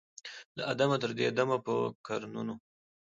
له آدمه تر دې دمه په قرنونو